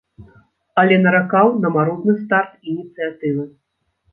Але наракаў на марудны старт ініцыятывы.